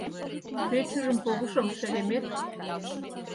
Пӧчыжым погышым, шеремет!